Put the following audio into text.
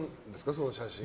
その写真を。